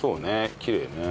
きれいね。